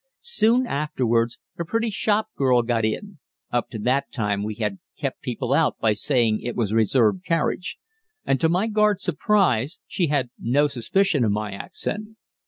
Soon afterwards a pretty shop girl got in (up to that time we had kept people out by saying it was a reserved carriage), and to my guard's surprise she had no suspicion of my accent.